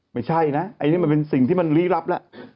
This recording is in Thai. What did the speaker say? ไม่ใช่นะอันนี้มันเป็นสิ่งที่มันลี้ลับแล้ว